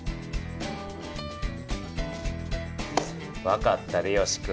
分かったでよし君。